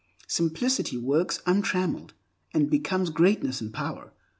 Simplicity works untrammelled, and becomes greatness and power.